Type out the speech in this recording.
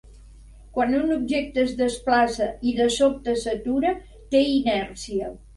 Quan un objecte es desplaça i, de sobte, s'atura, té inèrcia.